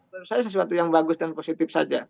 menurut saya sesuatu yang bagus dan positif saja